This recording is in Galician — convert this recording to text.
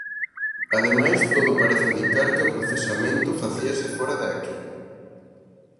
Ademais, todo parece indicar que o procesamento facíase fóra de aquí.